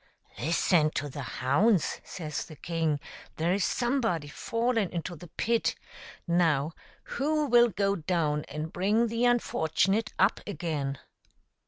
" Listen to the hounds," says the king ;" there is somebody fallen into the pit ; now who will go down and bring the unfortunate up again